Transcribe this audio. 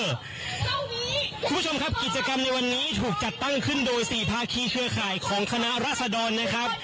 คุณผู้ชมครับกิจกรรมในวันนี้ถูกจัดตั้งขึ้นโดย๔ภาคีเครือข่ายของคณะราษดรนะครับ